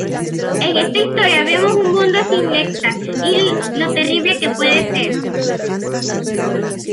En esta historia vemos un mundo sin Lestat y lo terrible que puede ser.